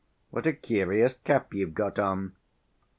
What a curious cap you've got on!"